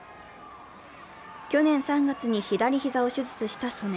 去年３月に左膝を手術した素根。